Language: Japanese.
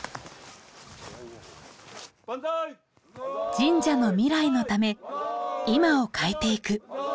神社の未来のため今を変えていく。